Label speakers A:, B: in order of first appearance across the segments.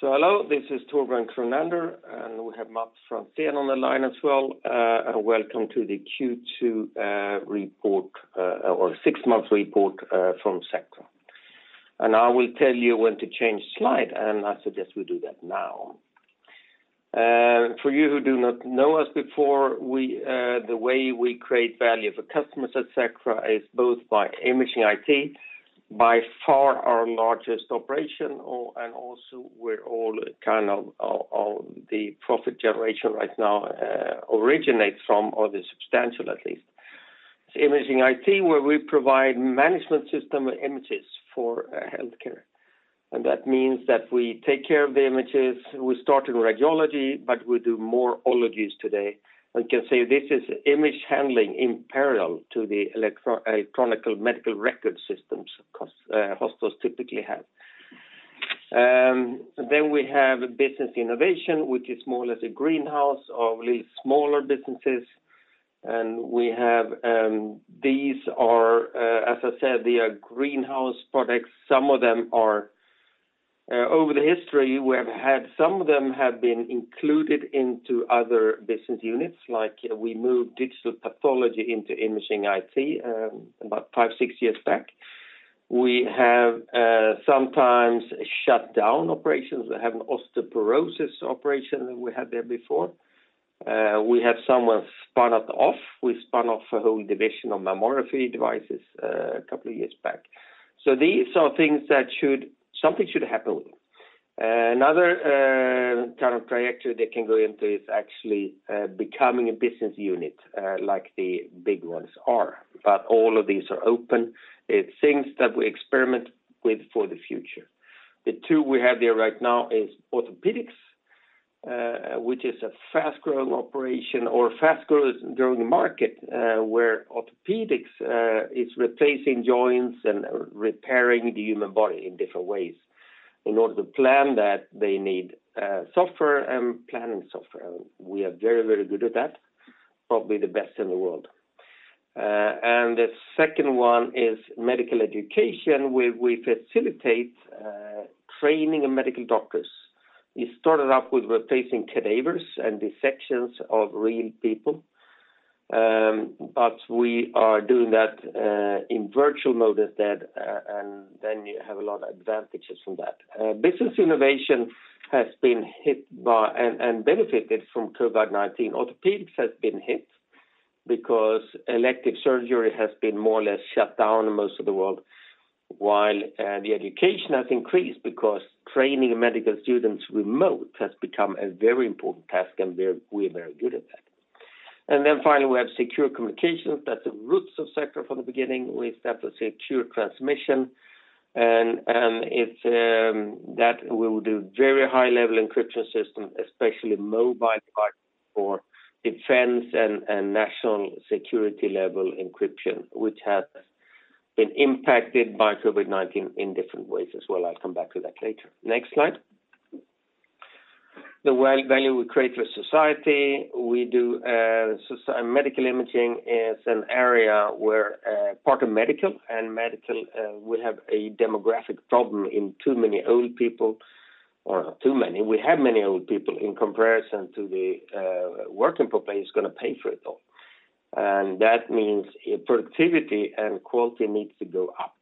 A: Hello, this is Torbjörn Kronander, and we have Mats Franzén on the line as well. Welcome to the Q2 report, or six-month report, from SECTRA. I will tell you when to change slide, and I suggest we do that now. For you who do not know us before, the way we create value for customers at SECTRA is both by Imaging IT, by far our largest operation, and also where all the profit generation right now originates from, or the substantial at least. Imaging IT, where we provide management system images for healthcare. That means that we take care of the images. We start in radiology, but we do more ologies today. We can say this is image handling in parallel to the electronic medical record systems hospitals typically have. We have Business Innovation, which is more or less a greenhouse of smaller businesses. These are, as I said, they are greenhouse products. Over the history, some of them have been included into other business units, like we moved digital pathology into Imaging IT about five, six years back. We have sometimes shut down operations. We have an osteoporosis operation that we had there before. We have some we've spun-off. We spun-off a whole division of mammography devices a couple of years back. These are things that something should happen with. Another kind of trajectory they can go into is actually becoming a business unit like the big ones are. All of these are open. It's things that we experiment with for the future. The two we have there right now is orthopedics, which is a fast-growing operation or fast-growing market, where orthopedics is replacing joints and repairing the human body in different ways. In order to plan that, they need software and planning software. We are very good at that, probably the best in the world. The second one is medical education, where we facilitate training of medical doctors. It started off with replacing cadavers and dissections of real people, but we are doing that in virtual mode instead, then you have a lot of advantages from that. Business Innovation has been hit by and benefited from COVID-19. Orthopedics has been hit because elective surgery has been more or less shut down in most of the world, while the education has increased because training medical students remote has become a very important task, and we're very good at that. Finally, we have Secure Communications. That's the roots of SECTRA from the beginning. We established a secure transmission, that we will do very high-level encryption system, especially mobile devices for defense and national security-level encryption, which has been impacted by COVID-19 in different ways as well. I'll come back to that later. Next slide. The value we create for society. Medical imaging is an area where part of medical will have a demographic problem in too many old people, or not too many, we have many old people in comparison to the working population that's going to pay for it all. That means productivity and quality needs to go up,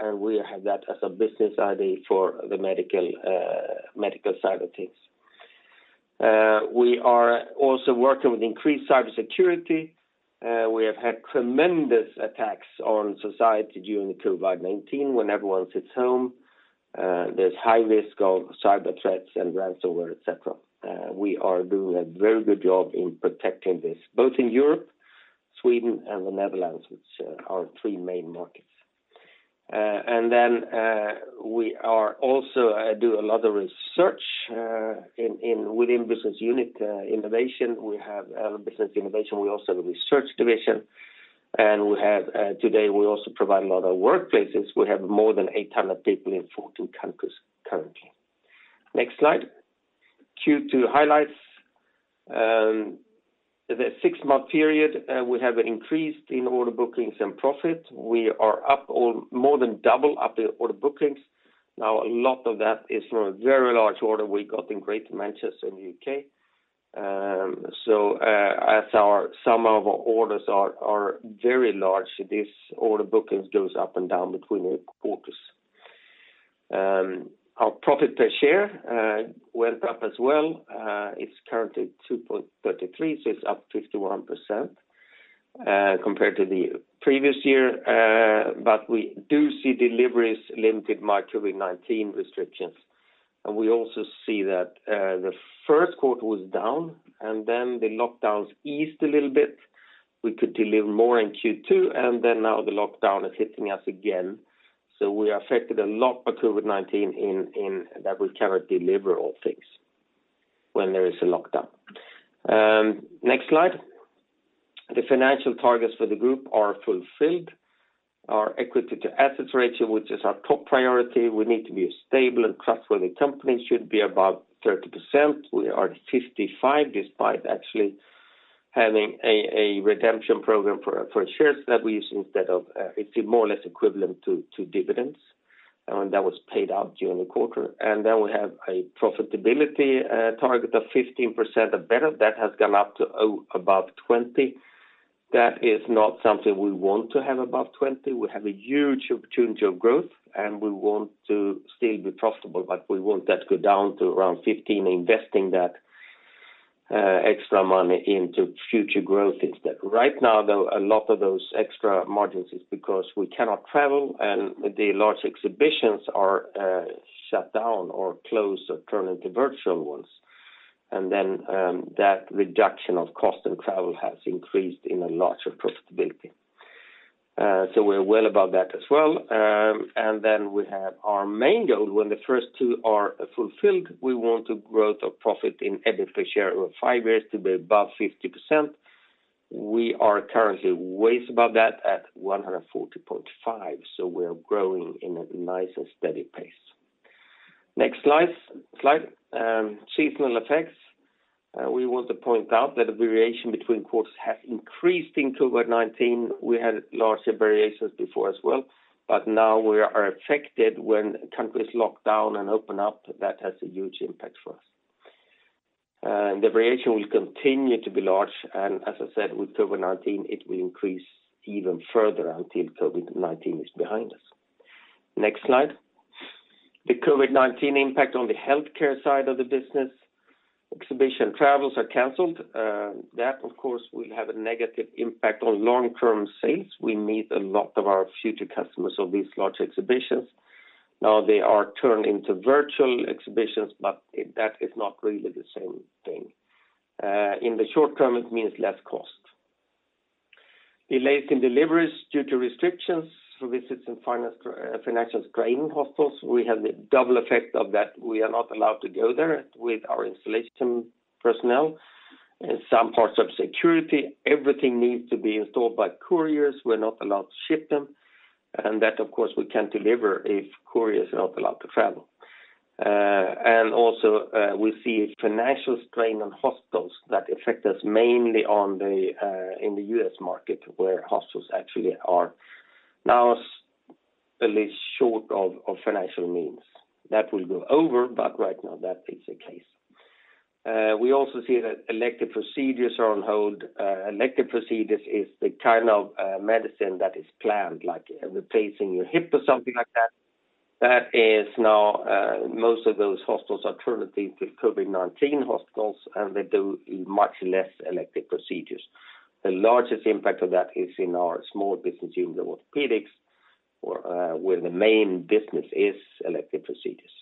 A: and we have that as a business idea for the medical side of things. We are also working with increased cybersecurity. We have had tremendous attacks on society during the COVID-19 when everyone sits home. There's high risk of cyber threats and ransomware, et cetera. We are doing a very good job in protecting this, both in Europe, Sweden, and the Netherlands, which are our three main markets. We also do a lot of research within Business Innovation. We have a Business Innovation. We also have a research division. Today, we also provide a lot of workplaces. We have more than 800 people in 14 countries currently. Next slide. Q2 highlights. The six-month period, we have increased in order bookings and profit. We are more than double up the order bookings. A lot of that is from a very large order we got in Greater Manchester in the U.K. As some of our orders are very large, these order bookings goes up and down between the quarters. Our profit per share went up as well. It's currently 2.33, it's up 51% compared to the previous year. We do see deliveries limited by COVID-19 restrictions. We also see that the first quarter was down, then the lockdowns eased a little bit. We could deliver more in Q2, then now the lockdown is hitting us again. We are affected a lot by COVID-19 in that we cannot deliver all things when there is a lockdown. Next slide. The financial targets for the group are fulfilled. Our equity to assets ratio, which is our top priority, we need to be a stable and trustworthy company, should be about 30%. We are at 55%, despite actually having a redemption program for shares that we use instead of, it's more or less equivalent to dividends, and that was paid out during the quarter. We have a profitability target of 15% or better, that has gone up to above 20%. That is not something we want to have above 20. We have a huge opportunity of growth. We want to still be profitable. We want that to go down to around 15, investing that extra money into future growth instead. Right now, though, a lot of those extra margins is because we cannot travel and the large exhibitions are shut down or closed or turned into virtual ones. Then that reduction of cost and travel has increased in a larger profitability. We're well above that as well. Then we have our main goal. When the first two are fulfilled, we want a growth of profit in EBIT per share over five years to be above 50%. We are currently ways above that at 140.5. We are growing in a nice and steady pace. Next slide. Seasonal effects. We want to point out that the variation between quarters has increased in COVID-19. We had larger variations before as well, but now we are affected when countries lock down and open up. That has a huge impact for us. The variation will continue to be large, and as I said, with COVID-19, it will increase even further until COVID-19 is behind us. Next slide. The COVID-19 impact on the healthcare side of the business. Exhibition travels are canceled. That, of course, will have a negative impact on long-term sales. We meet a lot of our future customers on these large exhibitions. Now they are turned into virtual exhibitions, but that is not really the same thing. In the short term, it means less cost. Delays in deliveries due to restrictions for visits and financial strain on hospitals. We have the double effect of that. We are not allowed to go there with our installation personnel. In some parts of security, everything needs to be installed by couriers. We're not allowed to ship them. That, of course, we can't deliver if couriers are not allowed to travel. Also, we see a financial strain on hospitals that affect us mainly in the U.S. market, where hospitals actually are now at least short of financial means. That will go over, but right now that is the case. We also see that elective procedures are on hold. Elective procedures is the kind of medicine that is planned, like replacing your hip or something like that. That is now, most of those hospitals are turning into COVID-19 hospitals, and they do much less elective procedures. The largest impact of that is in our small business unit, orthopedics, where the main business is elective procedures.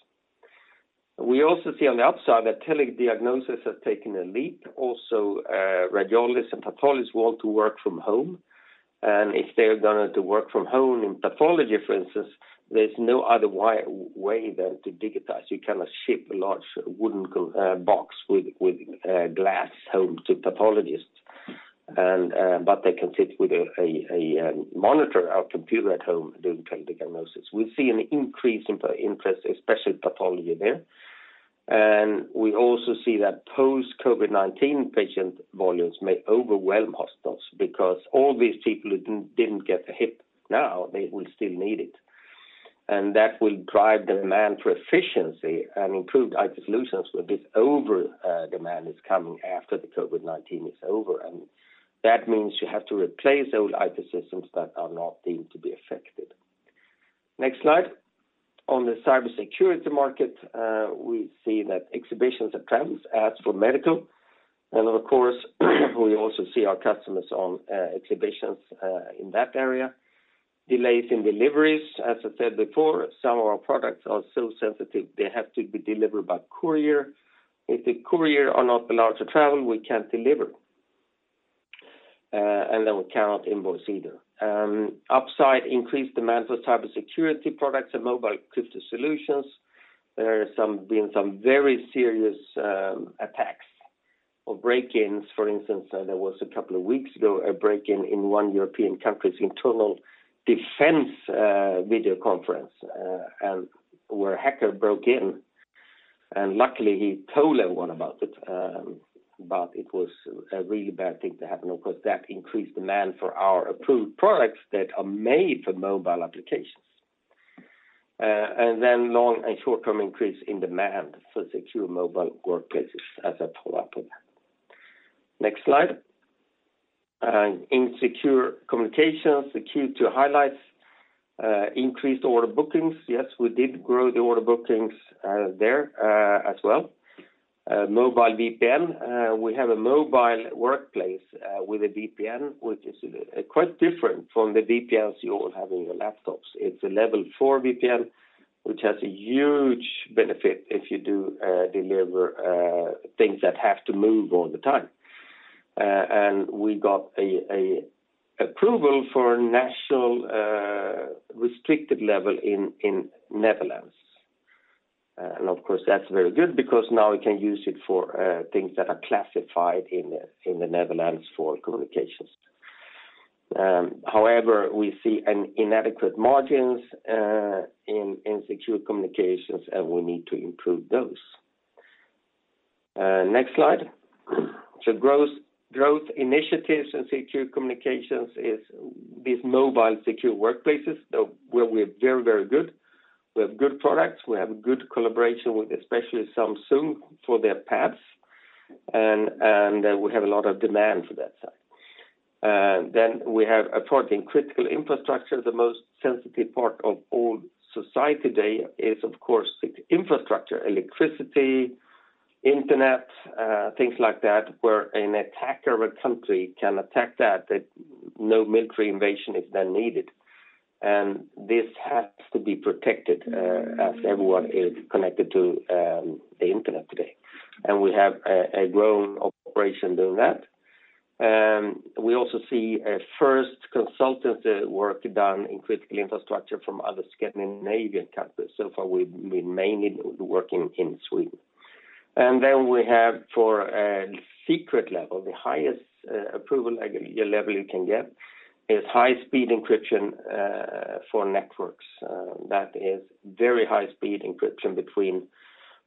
A: We also see on the upside that tele-diagnosis has taken a leap. Radiologists and pathologists want to work from home. If they're going to work from home in pathology, for instance, there's no other way than to digitize. You cannot ship a large wooden box with glass home to pathologists. They can sit with a monitor or computer at home doing tele-diagnosis. We see an increase in interest, especially pathology there. We also see that post-COVID-19 patient volumes may overwhelm hospitals because all these people who didn't get a hip, now they will still need it. That will drive demand for efficiency and improved IT solutions where this over-demand is coming after the COVID-19 is over. That means you have to replace old IT systems that are not deemed to be affected. Next slide. On the cybersecurity market, we see that exhibitions and travels as for medical, and of course, we also see our customers on exhibitions in that area. Delays in deliveries, as I said before, some of our products are so sensitive, they have to be delivered by courier. If the courier are not allowed to travel, we can't deliver. Then we cannot invoice either. Upside, increased demand for cybersecurity products and mobile crypto solutions. There have been some very serious attacks or break-ins. For instance, there was a couple of weeks ago, a break-in in one European country's internal defense video conference, where a hacker broke in, and luckily he told everyone about it. It was a really bad thing to happen. Of course, that increased demand for our approved products that are made for mobile applications. Then long- and short-term increase in demand for secure mobile workplaces as a fallout of that. Next slide. In Secure Communications, the Q2 highlights, increased order bookings. Yes, we did grow the order bookings there as well. Mobile VPN. We have a mobile workplace with a VPN, which is quite different from the VPNs you all have on your laptops. It's a level 4 VPN, which has a huge benefit if you do deliver things that have to move all the time. We got an approval for national restricted level in Netherlands. Of course, that's very good because now we can use it for things that are classified in the Netherlands for communications. However, we see inadequate margins in Secure Communications, and we need to improve those. Next slide. Growth initiatives in Secure Communications is these mobile secure workplaces where we're very good. We have good products. We have good collaboration with especially Samsung for their pads, and we have a lot of demand for that side. We have a product in critical infrastructure. The most sensitive part of all society today is, of course, infrastructure, electricity, internet, things like that, where an attacker of a country can attack that, no military invasion is then needed. This has to be protected as everyone is connected to the internet today. We have a growing operation doing that. We also see a first consultancy work done in critical infrastructure from other Scandinavian countries. So far, we're mainly working in Sweden. We have for a secret level, the highest approval level you can get, is high-speed encryption for networks. That is very high-speed encryption between,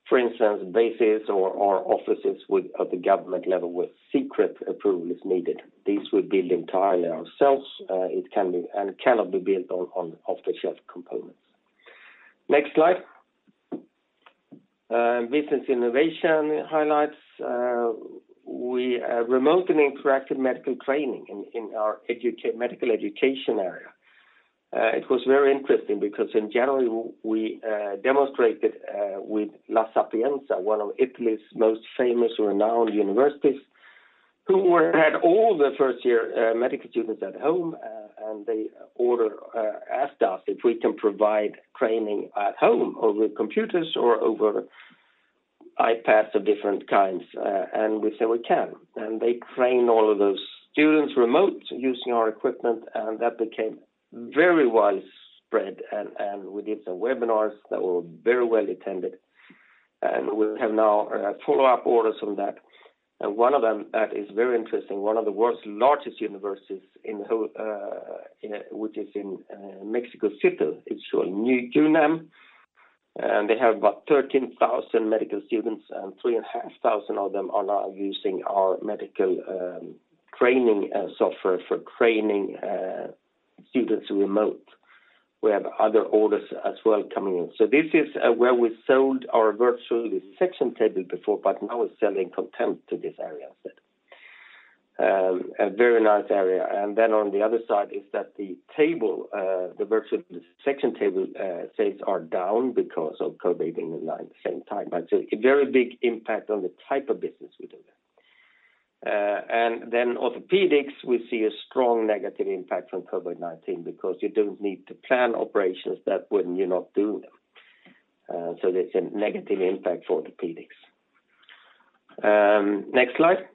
A: for instance, bases or offices at the government level where secret approval is needed. These we build entirely ourselves, and it cannot be built on off-the-shelf components. Next slide. Business Innovation highlights. We have remote and interactive medical training in our medical education area. It was very interesting because in January, we demonstrated with Sapienza University of Rome, one of Italy's most famous renowned universities, who had all the first-year medical students at home, and they asked us if we can provide training at home over computers or over iPads of different kinds, and we said we can. They trained all of those students remote using our equipment, and that became very widespread. We did some webinars that were very well attended. We have now follow-up orders from that. One of them that is very interesting, one of the world's largest universities, which is in Mexico City. It is called UNAM, they have about 13,000 medical students, and 3,500 of them are now using our medical training software for training students remote. We have other orders as well coming in. This is where we sold our virtual dissection table before, but now we are selling content to this area instead. A very nice area. On the other side is that the virtual dissection table sales are down because of COVID-19 at the same time. A very big impact on the type of business we do there. Orthopedics, we see a strong negative impact from COVID-19 because you do not need to plan operations that when you are not doing them. There is a negative impact for orthopedics. Next slide.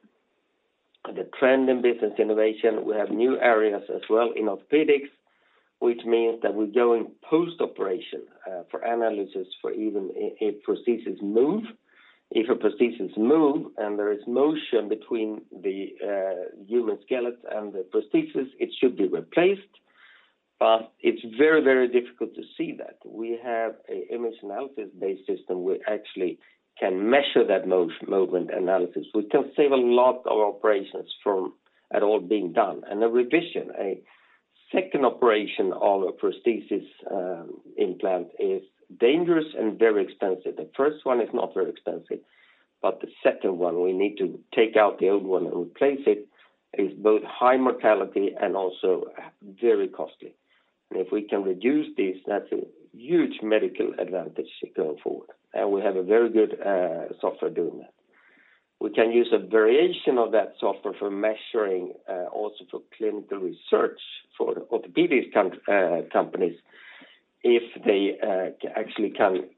A: The trend in Business Innovation, we have new areas as well in orthopedics, which means that we go in post-operation for analysis for even if prosthesis move. If a prosthesis move and there is motion between the human skeleton and the prosthesis, it should be replaced, but it's very difficult to see that. We have an image analysis-based system where actually can measure that movement analysis. We can save a lot of operations from at all being done. A revision, a second operation on a prosthesis implant is dangerous and very expensive. The first one is not very expensive, but the second one, we need to take out the old one and replace it, is both high mortality and also very costly. If we can reduce this, that's a huge medical advantage going forward. We have a very good software doing that. We can use a variation of that software for measuring also for clinical research for the orthopedic companies if they actually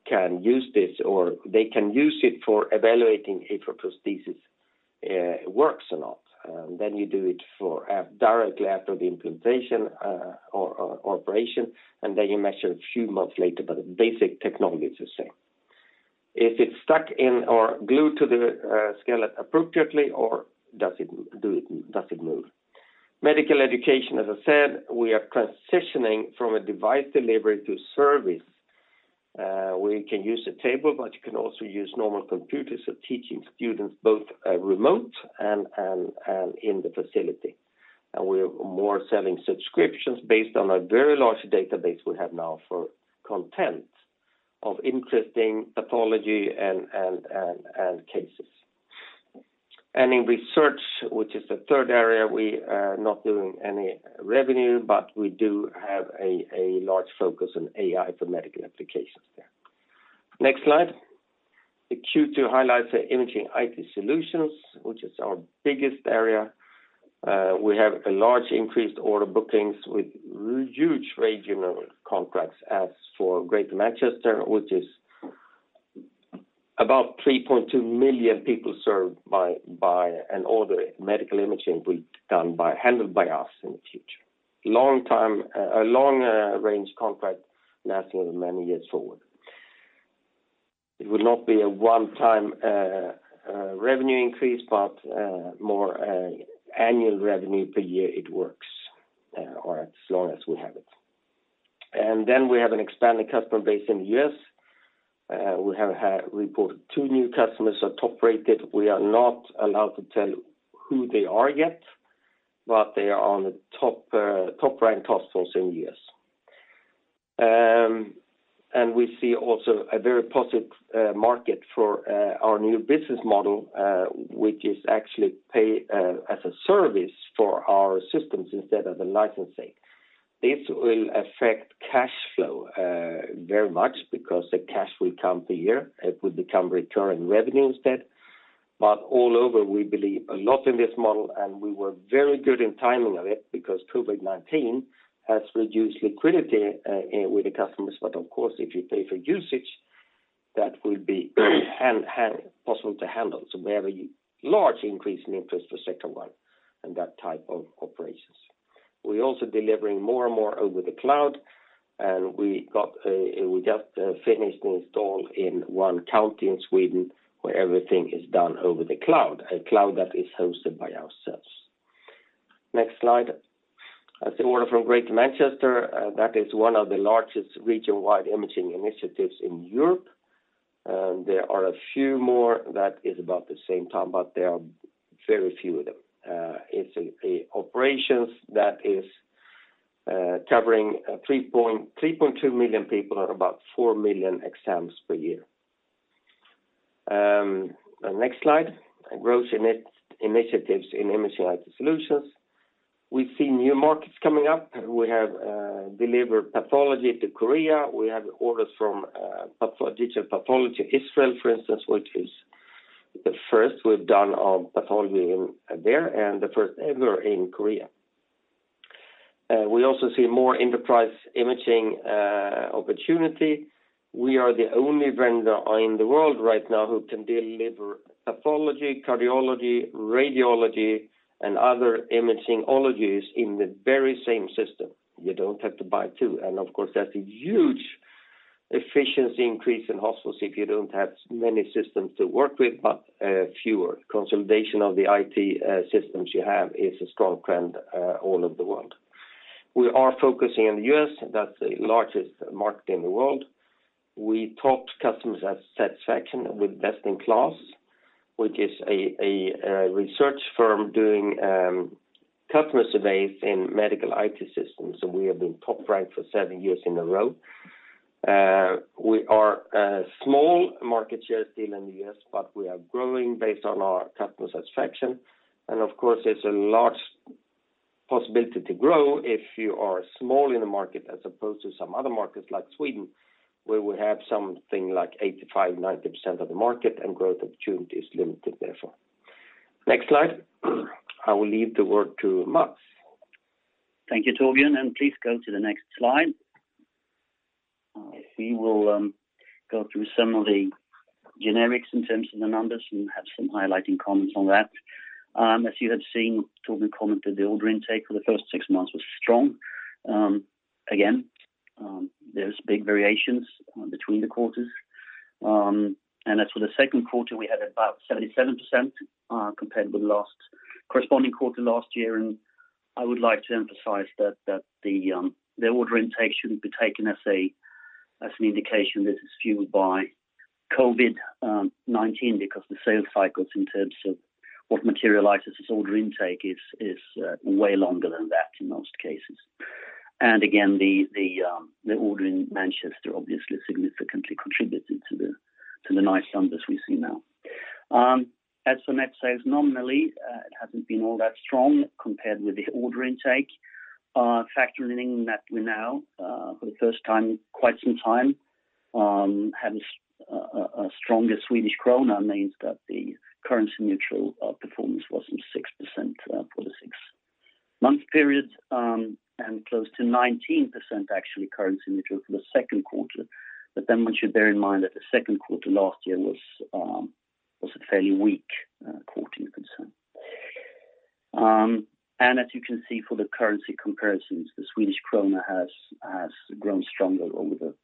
A: can use this, or they can use it for evaluating if a prosthesis works or not. You do it directly after the implantation or operation, and then you measure a few months later, but the basic technology is the same. If it's stuck in or glued to the skeleton appropriately, or does it move? Medical education, as I said, we are transitioning from a device delivery to service. We can use a table, but you can also use normal computers for teaching students both remote and in the facility. We're more selling subscriptions based on a very large database we have now for content of interesting pathology and cases. In research, which is the third area, we are not doing any revenue, but we do have a large focus on AI for medical applications there. Next slide. The Q2 highlights for Imaging IT Solutions, which is our biggest area. We have a large increased order bookings with huge regional contracts as for Greater Manchester, which is about 3.2 million people served by an order medical imaging handled by us in the future. A long-range contract lasting many years forward. It will not be a one-time revenue increase, but more annual revenue per year it works, or as long as we have it. We have an expanded customer base in the U.S. We have reported two new customers are top-rated. We are not allowed to tell who they are yet, but they are on the top-ranked hospitals in the U.S. We see also a very positive market for our new business model, which is actually pay as a service for our systems instead of the licensing. This will affect cash flow very much because the cash will come per year. It will become recurring revenue instead. All over, we believe a lot in this model, and we were very good in timing of it because COVID-19 has reduced liquidity with the customers. Of course, if you pay for usage, that will be possible to handle. We have a large increase in interest for SECTRA One and that type of operations. We're also delivering more and more over the cloud, and we just finished install in one county in Sweden where everything is done over the cloud, a cloud that is hosted by ourselves. Next slide. That's the order from Greater Manchester. That is one of the largest region-wide imaging initiatives in Europe. There are a few more that is about the same time, but there are very few of them. It's operations that is covering 3.2 million people or about 4 million exams per year. Next slide. Growth initiatives in Imaging IT Solutions. We see new markets coming up. We have delivered pathology to Korea. We have orders from digital pathology, Israel, for instance, which is the first we've done on pathology there and the first ever in Korea. We also see more enterprise imaging opportunity. We are the only vendor in the world right now who can deliver pathology, cardiology, radiology, and other imaging ologies in the very same system. You don't have to buy two. Of course, that's a huge efficiency increase in hospitals if you don't have many systems to work with, but fewer. Consolidation of the IT systems you have is a strong trend all over the world. We are focusing on the U.S., that's the largest market in the world. We top customers at satisfaction with Best in KLAS, which is a research firm doing customer surveys in medical IT systems, and we have been top ranked for seven years in a row. We are a small market share still in the U.S., but we are growing based on our customer satisfaction. Of course, there's a large possibility to grow if you are small in the market as opposed to some other markets like Sweden, where we have something like 85%, 90% of the market and growth opportunity is limited, therefore. Next slide. I will leave the word to Mats.
B: Thank you, Torbjörn. Please go to the next slide. We will go through some of the generics in terms of the numbers and have some highlighting comments on that. As you have seen, Torbjörn commented the order intake for the first six months was strong. Again, there's big variations between the quarters. As for the second quarter, we had about 77% compared with corresponding quarter last year. I would like to emphasize that the order intake shouldn't be taken as an indication that it's fueled by COVID-19 because the sales cycles in terms of what materializes as order intake is way longer than that in most cases. Again, the order in Manchester obviously significantly contributed to the nice numbers we see now. As for net sales nominally, it hasn't been all that strong compared with the order intake. Factoring that we now for the first time in quite some time have a stronger Swedish krona means that the currency neutral performance was some 6% for the six-month period and close to 19% actually currency neutral for the second quarter. One should bear in mind that the second quarter last year was a fairly weak quarter concerned. As you can see for the currency comparisons, the Swedish krona has grown stronger over the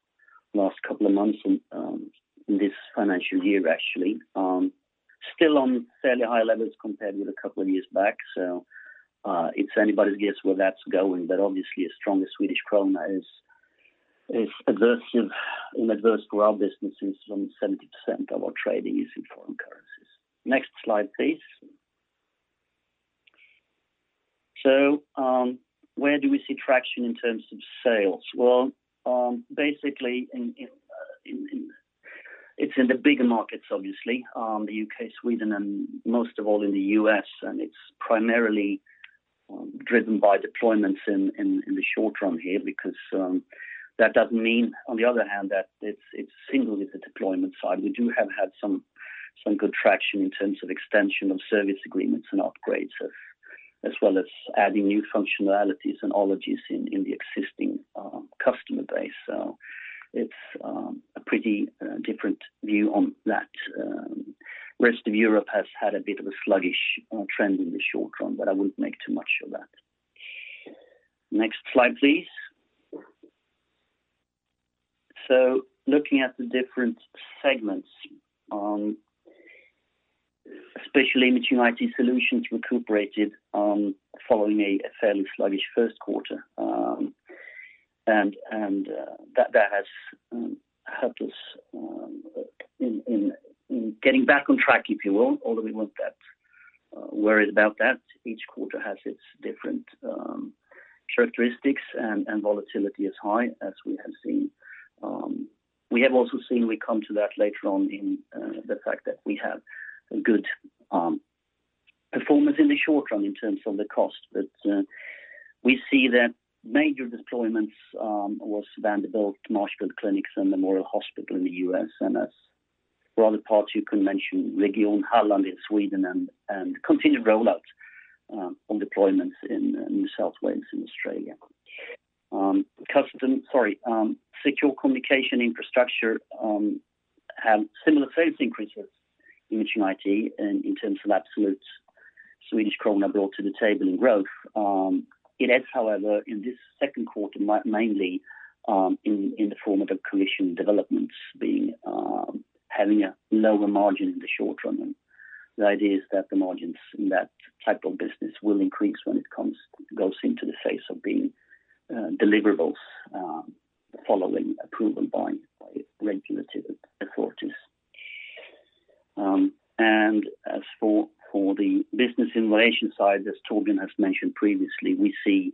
B: last couple of months in this financial year, actually. Still on fairly high levels compared with a couple of years back. It's anybody's guess where that's going, but obviously a stronger Swedish krona is adverse to our businesses from 70% of our trading is in foreign currencies. Next slide, please. Where do we see traction in terms of sales? Well, basically it's in the bigger markets, obviously, the U.K., Sweden, and most of all in the U.S. It's primarily driven by deployments in the short run here because that doesn't mean, on the other hand, that it's single with the deployment side. We do have had some good traction in terms of extension of service agreements and upgrades as well as adding new functionalities and ologies in the existing customer base. It's a pretty different view on that. Rest of Europe has had a bit of a sluggish trend in the short run. I wouldn't make too much of that. Next slide, please. Looking at the different segments, especially Imaging IT Solutions recuperated following a fairly sluggish first quarter. That has helped us in getting back on track, if you will, although we weren't that worried about that. Each quarter has its different characteristics and volatility is high as we have seen. We have also seen, we come to that later on, in the fact that we have good performance in the short run in terms of the cost. We see that major deployments was Vanderbilt, Marshfield Clinics, and Memorial Hospital in the U.S. As for other parts, you can mention Region Halland in Sweden and continued rollouts on deployments in New South Wales in Australia. Secure communication infrastructure had similar sales increases, Imaging IT, in terms of absolute Swedish krona brought to the table in growth. It adds, however, in this second quarter, mainly in the form of the commission developments having a lower margin in the short run. The idea is that the margins in that type of business will increase when it goes into the phase of being deliverables following approval by regulatory authorities. As for the Business Innovation side, as Torbjörn has mentioned previously, we see,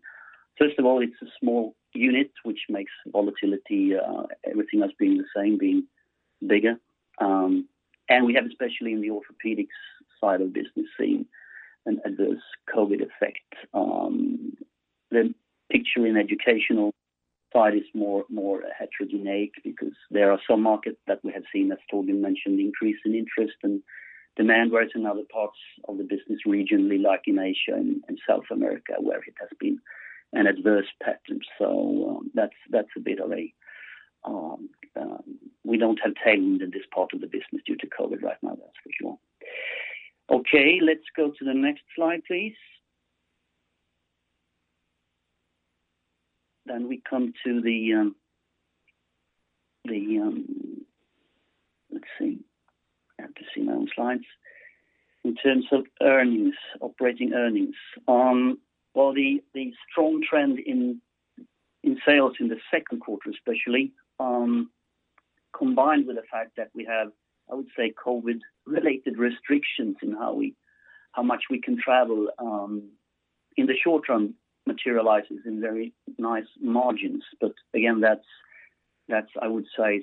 B: first of all, it's a small unit, which makes volatility, everything else being the same, being bigger. We have, especially in the orthopedics side of the business, seen an adverse COVID effect. The picture in educational side is more heterogeneous because there are some markets that we have seen, as Torbjörn mentioned, increase in interest and demand, whereas in other parts of the business regionally, like in Asia and South America, where it has been an adverse pattern. That's a bit of a We don't have tamed this part of the business due to COVID right now, that's for sure. Okay, let's go to the next slide, please. We come to the let's see. I have to see my own slides. In terms of earnings, operating earnings. While the strong trend in sales in the second quarter especially, combined with the fact that we have, I would say, COVID-19-related restrictions in how much we can travel, in the short run materializes in very nice margins. Again, that, I would say,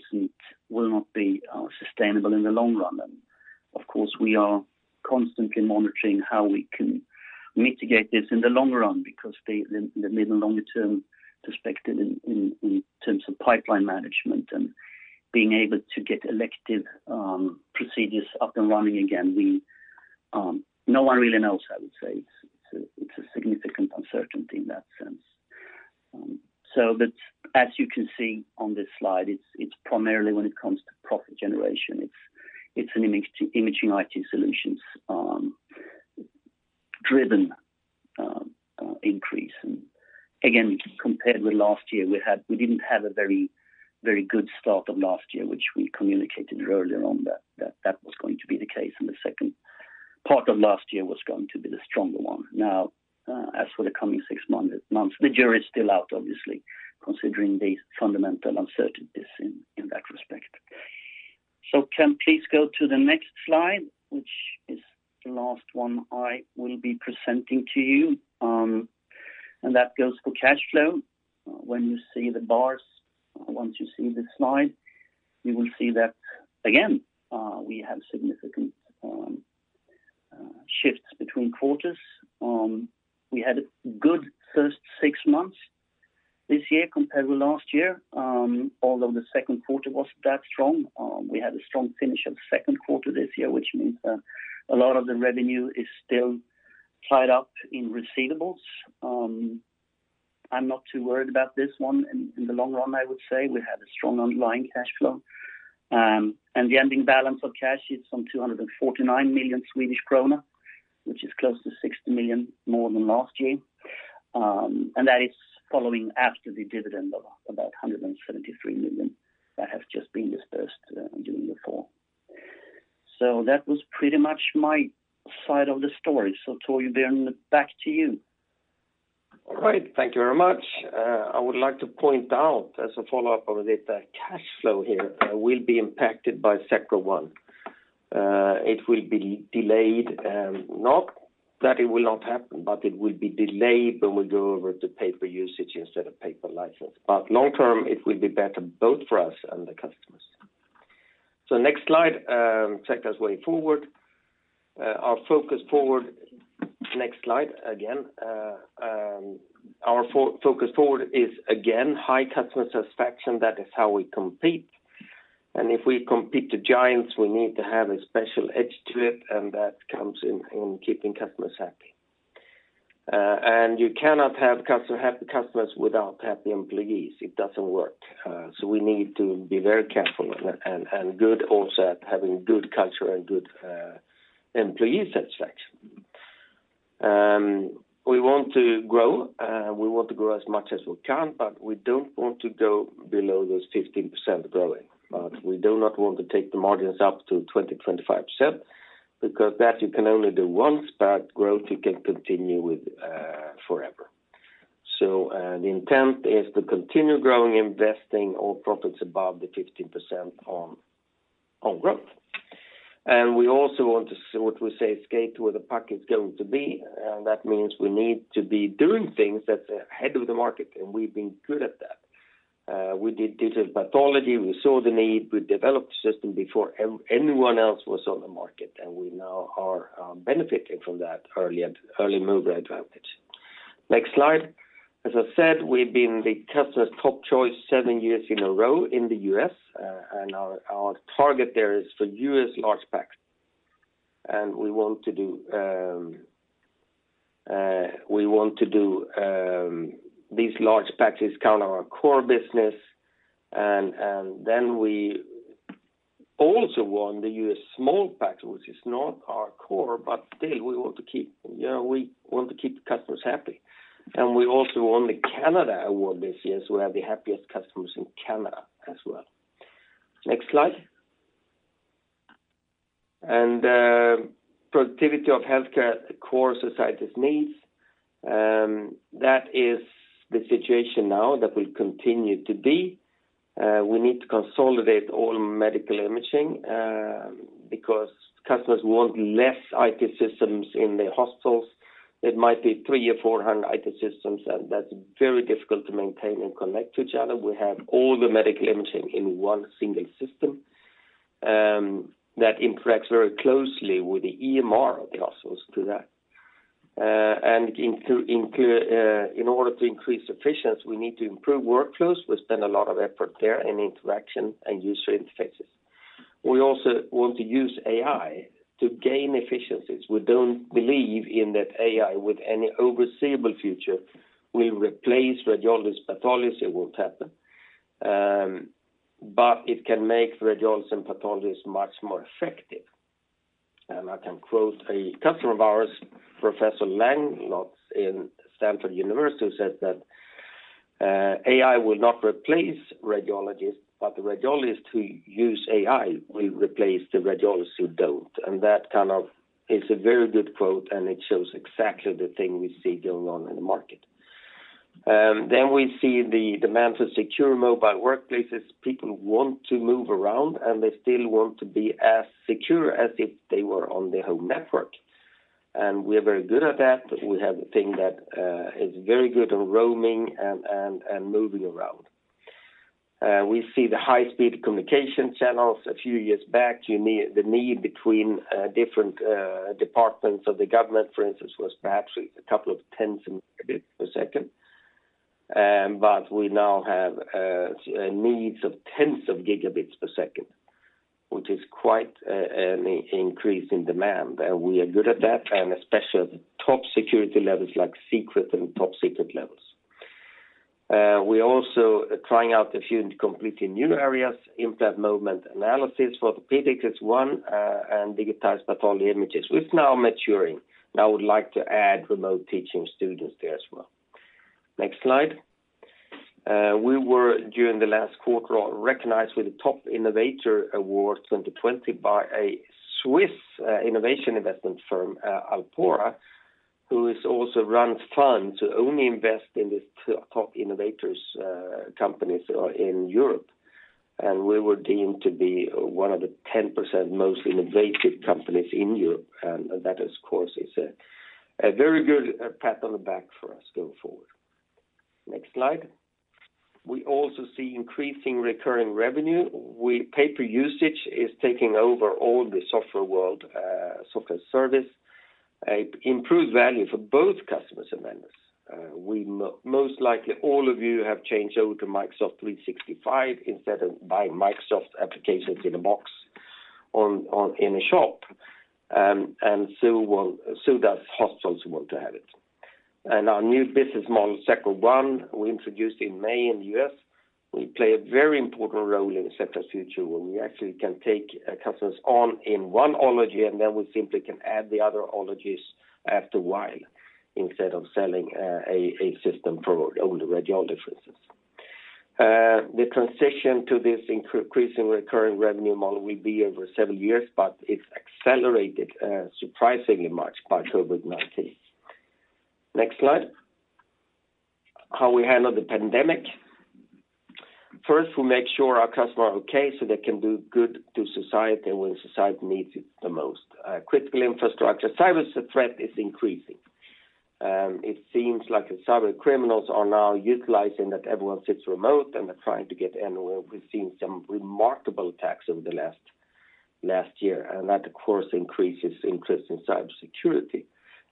B: will not be sustainable in the long run. Of course, we are constantly monitoring how we can mitigate this in the long run because the mid and longer term perspective in terms of pipeline management and being able to get elective procedures up and running again, no one really knows, I would say. It's a significant uncertainty in that sense. As you can see on this slide, it's primarily when it comes to profit generation. It's an Imaging IT Solutions driven increase. Compared with last year, we didn't have a very good start of last year, which we communicated earlier on that was going to be the case, and the second part of last year was going to be the stronger one. As for the coming six months, the jury is still out, obviously, considering the fundamental uncertainties in that respect. Can we please go to the next slide, which is the last one I will be presenting to you. That goes for cash flow. When you see the bars, once you see this slide, you will see that again, we have significant shifts between quarters. We had a good first six months this year compared with last year. Although the second quarter wasn't that strong. We had a strong finish of the second quarter this year, which means that a lot of the revenue is still tied up in receivables. I'm not too worried about this one. In the long run, I would say we have a strong underlying cash flow. The ending balance of cash is some 249 million Swedish krona, which is close to 60 million more than last year. That is following after the dividend of about 173 million that have just been disbursed during the fall. That was pretty much my side of the story. Torbjörn, back to you.
A: All right. Thank you very much. I would like to point out as a follow-up of the cash flow here, will be impacted by COVID-19. It will be delayed. Not that it will not happen, but it will be delayed, but will go over to pay per usage instead of pay per license. Long term, it will be better both for us and the customers. Next slide, SECTRA's way forward. Our focus forward is, again, high customer satisfaction. That is how we compete. If we compete the giants, we need to have a special edge to it, and that comes in keeping customers happy. You cannot have happy customers without happy employees. It doesn't work. We need to be very careful and good also at having good culture and good Employee satisfaction. We want to grow as much as we can, but we don't want to go below those 15% growing. We do not want to take the margins up to 20%-25% because that you can only do once, but growth you can continue with forever. The intent is to continue growing, investing all profits above the 15% on growth. We also want to see what we say, skate to where the puck is going to be. That means we need to be doing things that are ahead of the market, and we've been good at that. We did digital pathology. We saw the need. We developed the system before anyone else was on the market, and we now are benefiting from that early mover advantage. Next slide. As I said, we've been the customer's top choice seven years in a row in the U.S., and our target there is for U.S. large PACS. These large PACS count our core business, and then we also won the U.S. small PACS, which is not our core, but still we want to keep the customers happy. We also won the Canada award this year, so we have the happiest customers in Canada as well. Next slide. Productivity of healthcare, a core society's needs. That is the situation now that will continue to be. We need to consolidate all medical imaging because customers want less IT systems in the hospitals. It might be 300 or 400 IT systems, and that's very difficult to maintain and connect to each other. We have all the medical imaging in one single system that interacts very closely with the EMR hospitals to that. In order to increase efficiency, we need to improve workflows. We spend a lot of effort there in interaction and user interfaces. We also want to use AI to gain efficiencies. We don't believe in that AI with any foreseeable future will replace radiologists, pathologists. It won't happen. It can make radiologists and pathologists much more effective. I can quote a customer of ours, Professor Langlotz in Stanford University, who said that, "AI will not replace radiologists, but the radiologists who use AI will replace the radiologists who don't." That is a very good quote, and it shows exactly the thing we see going on in the market. We see the demand for secure mobile workplaces. People want to move around, and they still want to be as secure as if they were on their home network. We're very good at that. We have a thing that is very good on roaming and moving around. We see the high-speed communication channels. A few years back, the need between different departments of the government, for instance, was perhaps a couple of tens of megabits per second. We now have needs of tens of gigabits per second, which is quite an increase in demand. We are good at that, especially at the top security levels like secret and top-secret levels. We're also trying out a few completely new areas, implant movement analysis for orthopedics is one, and digitized pathology images, which is now maturing. I would like to add remote teaching students there as well. Next slide. We were, during the last quarter, recognized with the Top Innovator Award 2020 by a Swiss innovation investment firm, Alpora, who also runs funds to only invest in the top innovators companies in Europe. We were deemed to be one of the 10% most innovative companies in Europe, and that of course is a very good pat on the back for us going forward. Next slide. We also see increasing recurring revenue. Pay-per-usage is taking over all the software world, software service. Improved value for both customers and vendors. Most likely all of you have changed over to Microsoft 365 instead of buying Microsoft applications in a box in a shop. So does hospitals want to have it. Our new business model, Sectra One, we introduced in May in the U.S., will play a very important role in Sectra's future when we actually can take customers on in one ology, and then we simply can add the other ologies after a while instead of selling a system for only radiology, for instance. The transition to this increasing recurring revenue model will be over several years, but it's accelerated surprisingly much by COVID-19. Next slide. How we handle the pandemic. First, we make sure our customers are okay so they can do good to society when society needs it the most. Critical infrastructure, cyberthreat is increasing. It seems like the cybercriminals are now utilizing that everyone sits remote, and they're trying to get in. We've seen some remarkable attacks over the last year, and that, of course, increases interest in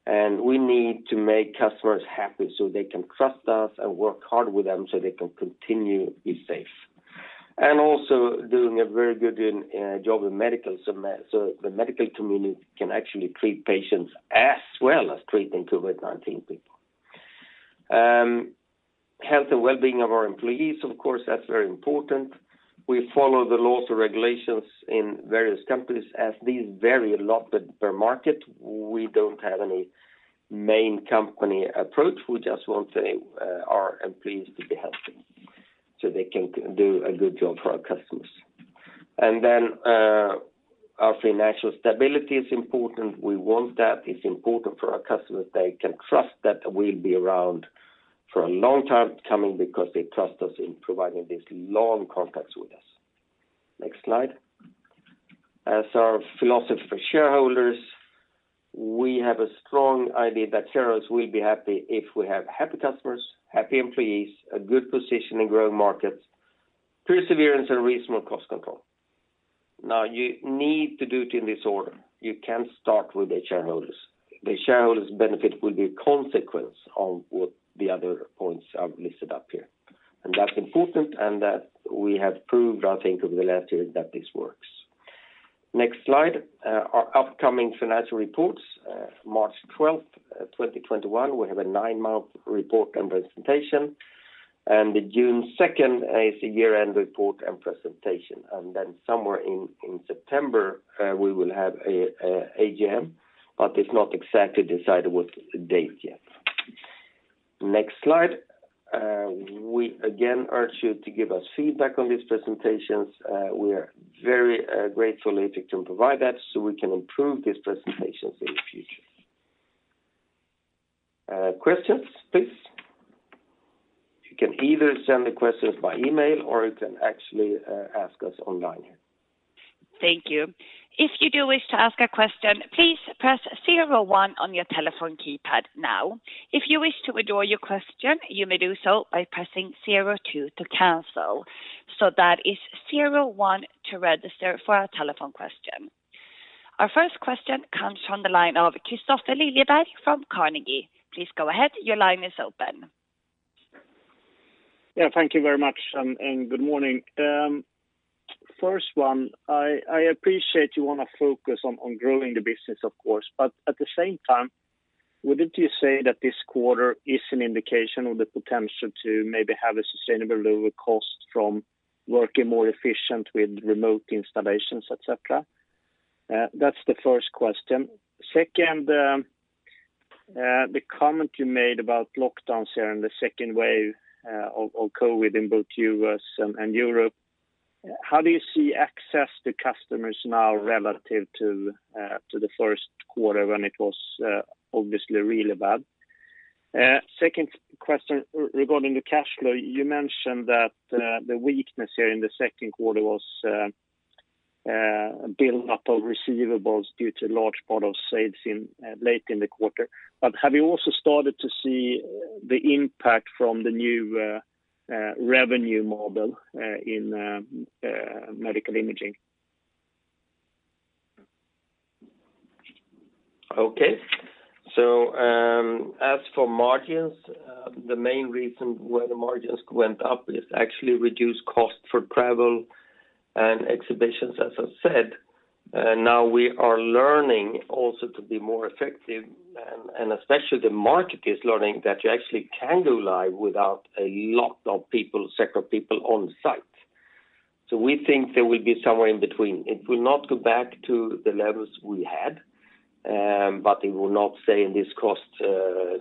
A: cybersecurity. We need to make customers happy so they can trust us and work hard with them so they can continue to be safe. Also doing a very good job in medical, so the medical community can actually treat patients as well as treating COVID-19 people. Health and well-being of our employees, of course, that's very important. We follow the laws and regulations in various countries as these vary a lot per market. We don't have any main company approach. We just want our employees to be healthy so they can do a good job for our customers. Our financial stability is important. We want that. It's important for our customers. They can trust that we'll be around for a long time coming because they trust us in providing these long contracts with us. Next slide. As our philosophy for shareholders, we have a strong idea that shareholders will be happy if we have happy customers, happy employees, a good position in growing markets, perseverance, and reasonable cost control. Now, you need to do it in this order. You can start with the shareholders. The shareholders benefit will be a consequence of what the other points are listed up here. That's important and that we have proved, I think, over the last years that this works. Next slide. Our upcoming financial reports, March 12th, 2021, we have a nine-month report and presentation, and the June 2nd is a year-end report and presentation. Somewhere in September, we will have AGM, but it's not exactly decided what date yet. Next slide. We again urge you to give us feedback on these presentations. We are very grateful if you can provide that so we can improve these presentations in the future. Questions, please. You can either send the questions by email or you can actually ask us online here.
C: Thank you. If you do wish to ask a question, please press zero one on your telephone keypad now. If you wish to withdraw your question, you may do so by pressing zero two to cancel. That is zero one to register for a telephone question. Our first question comes from the line of Kristofer Liljeberg from Carnegie. Please go ahead. Your line is open.
D: Yeah, thank you very much, and good morning. First one, I appreciate you want to focus on growing the business, of course, but at the same time, wouldn't you say that this quarter is an indication of the potential to maybe have a sustainable lower cost from working more efficient with remote installations, et cetera? That's the first question. Second, the comment you made about lockdowns here and the second wave of COVID-19 in both U.S. and Europe, how do you see access to customers now relative to the first quarter when it was obviously really bad? Second question regarding the cash flow, you mentioned that the weakness here in the second quarter was a buildup of receivables due to large part of sales late in the quarter. Have you also started to see the impact from the new revenue model in Imaging IT Solutions?
A: As for margins, the main reason why the margins went up is actually reduced cost for travel and exhibitions, as I said. Now we are learning also to be more effective, and especially the market is learning that you actually can go live without a lot of people, several people on site. We think there will be somewhere in between. It will not go back to the levels we had, but it will not stay in this cost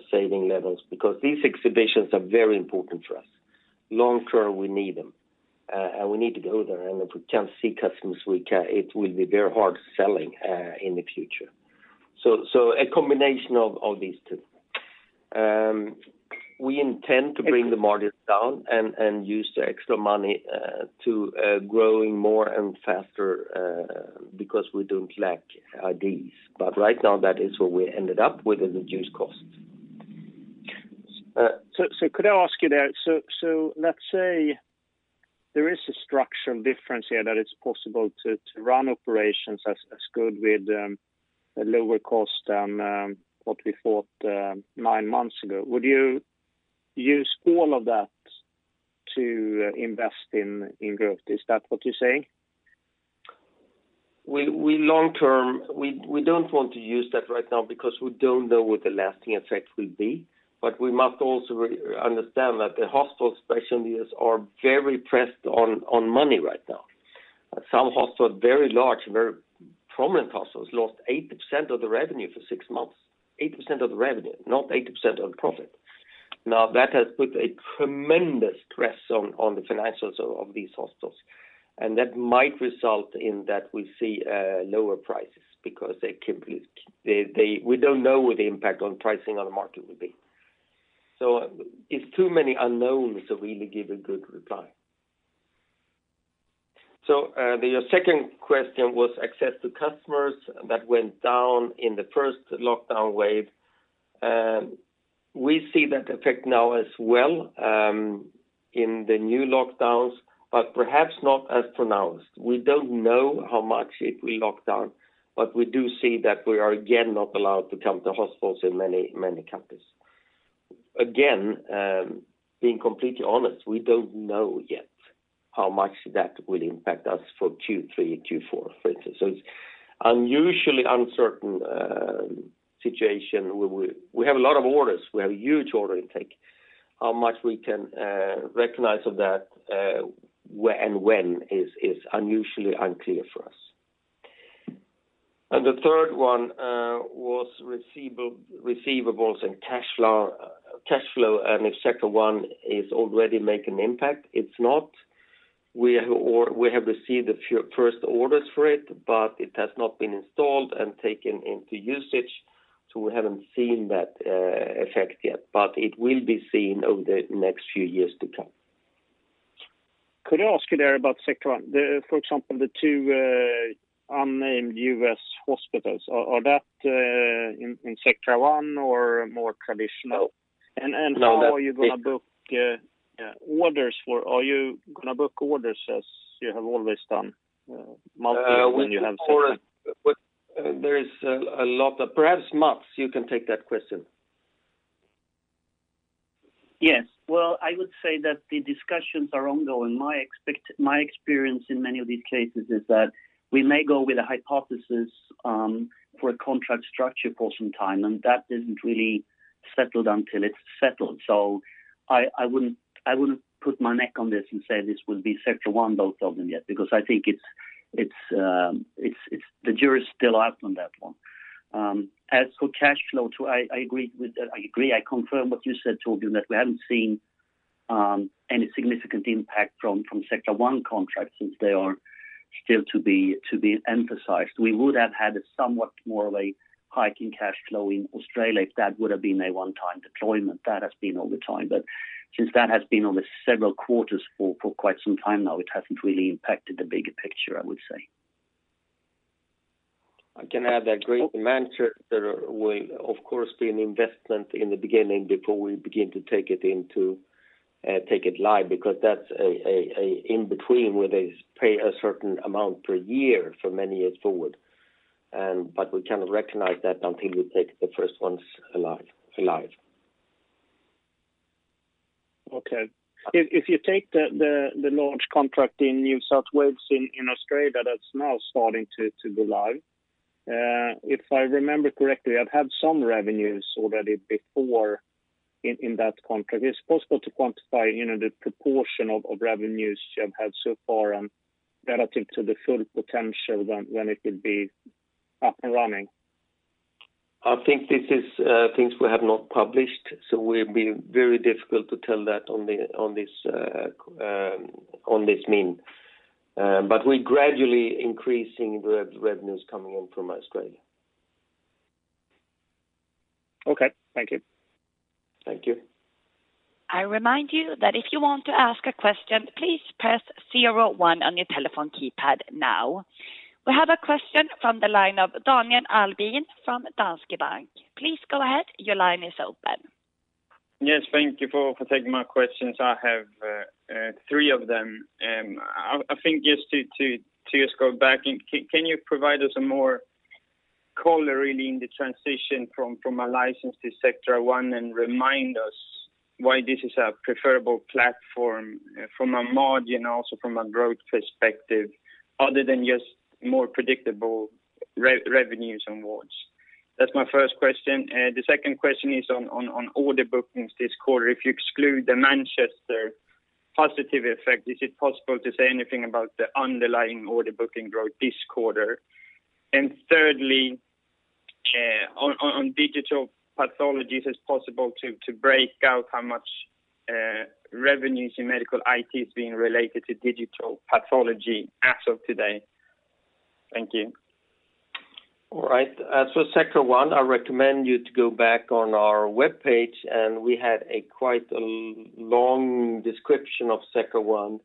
A: saving levels because these exhibitions are very important for us. Long term, we need them. We need to go there, and if we can't see customers, it will be very hard selling in the future. A combination of these two. We intend to bring the margins down and use the extra money to growing more and faster because we don't lack ideas. Right now, that is where we ended up with the reduced cost.
D: Could I ask you that, so let's say there is a structural difference here that it's possible to run operations as good with a lower cost than what we thought nine months ago. Would you use all of that to invest in growth? Is that what you're saying?
A: We don't want to use that right now because we don't know what the lasting effect will be, but we must also understand that the hospital specialties are very pressed on money right now. Some hospitals, very large, very prominent hospitals, lost 80% of the revenue for six months. 80% of the revenue, not 80% of the profit. That has put a tremendous stress on the financials of these hospitals, and that might result in that we see lower prices because we don't know what the impact on pricing on the market will be. It's too many unknowns to really give a good reply. The second question was access to customers that went down in the first lockdown wave. We see that effect now as well in the new lockdowns, but perhaps not as pronounced. We don't know how much if we lock down, but we do see that we are again not allowed to come to hospitals in many campuses. Being completely honest, we don't know yet how much that will impact us for Q3 and Q4, for instance. It's unusually uncertain situation. We have a lot of orders. We have a huge order intake. How much we can recognize of that and when is unusually unclear for us. The third one was receivables and cash flow, and if Sectra One is already making impact. It's not. We have received a few first orders for it has not been installed and taken into usage, we haven't seen that effect yet. It will be seen over the next few years to come.
D: Could I ask you there about Sectra One? For example, the two unnamed U.S. hospitals, are that in Sectra One or more tradtiional?
A: No.
D: How are you going to book orders? Are you going to book orders as you have always done?
A: Perhaps Mats, you can take that question.
B: Yes. Well, I would say that the discussions are ongoing. My experience in many of these cases is that we may go with a hypothesis, for a contract structure for some time, and that isn't really settled until it's settled. I wouldn't put my neck on this and say this will be Sectra One, both of them yet, because I think the jury's still out on that one. As for cash flow, too, I agree. I confirm what you said, Torbjörn, that we haven't seen any significant impact from Sectra One contracts since they are still to be emphasized. We would have had a somewhat more of a hike in cash flow in Australia if that would've been a one-time deployment. That has been over time. Since that has been over several quarters for quite some time now, it hasn't really impacted the bigger picture, I would say.
A: I can add that Greater Manchester will of course be an investment in the beginning before we begin to take it live, because that's a in-between where they pay a certain amount per year for many years forward. We cannot recognize that until we take the first ones live.
D: Okay. If you take the launch contract in New South Wales in Australia that is now starting to go live, if I remember correctly, I have had some revenues already before in that contract. Is it possible to quantify the proportion of revenues you have had so far and relative to the full potential when it will be up and running?
A: I think these are things we have not published, so will be very difficult to tell that on this means. We are gradually increasing the revenues coming in from Australia.
D: Okay. Thank you.
A: Thank you.
C: I remind you that if you want to ask a question, please press zero one on your telephone keypad now. We have a question from the line of Daniel Ahlberg from Danske Bank. Please go ahead. Your line is open.
E: Yes, thank you for taking my questions. I have three of them. Can you provide us more color really in the transition from a license to Sectra One and remind us why this is a preferable platform from a margin also from a growth perspective other than just more predictable revenues and awards? That's my first question. The second question is on order bookings this quarter. If you exclude the Manchester positive effect, is it possible to say anything about the underlying order booking growth this quarter? Thirdly, on digital pathologies, is it possible to break out how much revenues in medical IT is being related to digital pathology as of today? Thank you.
A: All right. Sectra One, I recommend you to go back on our webpage, and we had a quite a long description of Sectra One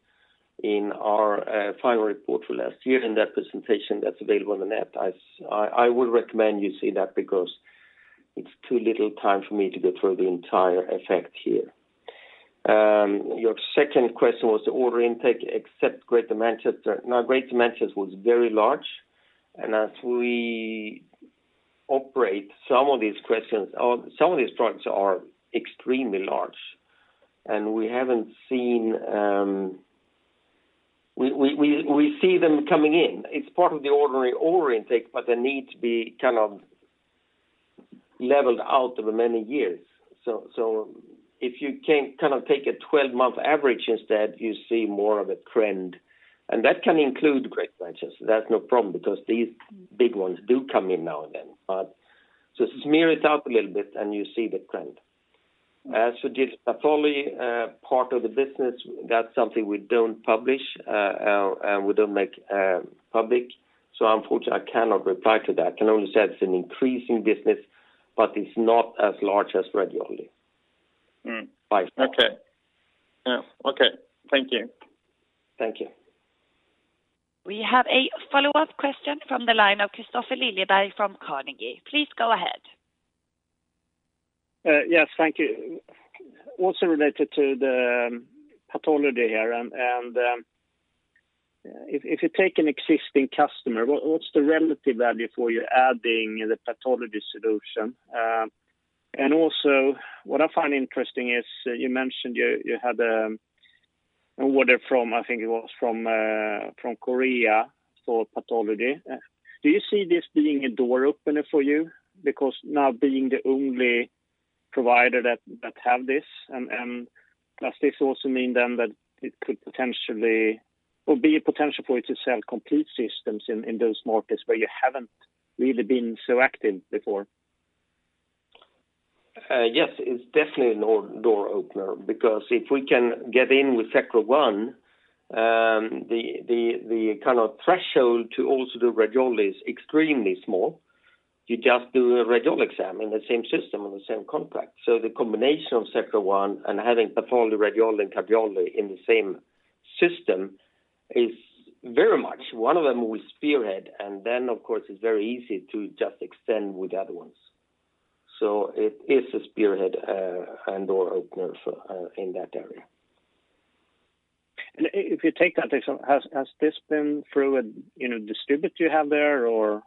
A: in our final report for last year in that presentation that is available on the net. I would recommend you see that because it is too little time for me to go through the entire effect here. Your second question was the order intake except Greater Manchester. Greater Manchester was very large, and as we operate some of these questions or some of these products are extremely large, and we see them coming in. It is part of the ordinary order intake, but they need to be leveled out over many years. If you can take a 12-month average instead, you see more of a trend. That can include Greater Manchester. That is no problem because these big ones do come in now and then. Smear it out a little bit and you see the trend. As for digital pathology part of the business, that's something we don't publish, and we don't make public, so unfortunately, I cannot reply to that. I can only say it's an increasing business, but it's not as large as radiology by far.
E: Okay. Thank you.
A: Thank you.
C: We have a follow-up question from the line of Kristofer Liljeberg from Carnegie. Please go ahead.
D: Yes, thank you. Also related to the pathology here. If you take an existing customer, what's the relative value for you adding the pathology solution? Also what I find interesting is you mentioned you had an order, I think it was from Korea, for pathology. Do you see this being a door opener for you? Because now being the only provider that have this, and does this also mean then that it could potentially, or be a potential for you to sell complete systems in those markets where you haven't really been so active before?
A: Yes, it's definitely a door opener because if we can get in with Sectra One, the threshold to also do radiology is extremely small. You just do a radiology exam in the same system on the same contract. The combination of Sectra One and having pathology, radiology, and cardiology in the same system is very much one of them we spearhead, and then of course it's very easy to just extend with the other ones. It is a spearhead and door opener for in that area.
D: If you take that, has this been through a distributor you have there or?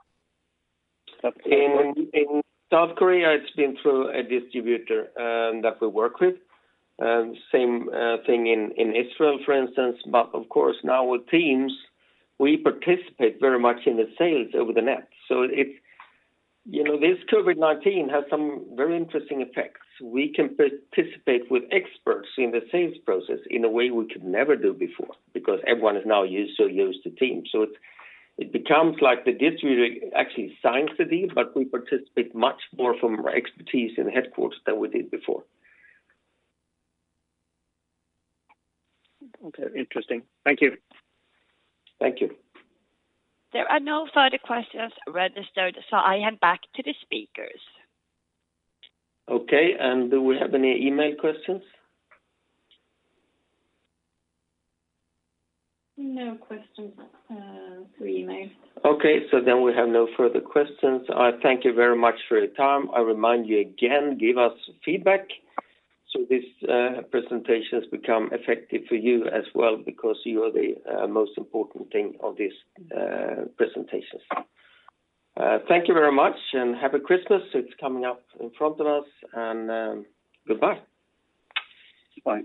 A: In South Korea, it's been through a distributor that we work with. Same thing in Israel, for instance. Of course, now with Teams, we participate very much in the sales over the net. This COVID-19 has some very interesting effects. We can participate with experts in the sales process in a way we could never do before because everyone is now used to Teams. It becomes like the distributor actually signs the deal, but we participate much more from our expertise in headquarters than we did before.
D: Okay, interesting. Thank you.
A: Thank you.
C: There are no further questions registered, so I hand back to the speakers.
A: Okay, do we have any email questions?
C: No questions through email.
A: Okay, we have no further questions. I thank you very much for your time. I remind you again, give us feedback so this presentation has become effective for you as well, because you are the most important thing of these presentations. Thank you very much, and happy Christmas. It's coming up in front of us, and goodbye.
B: Bye.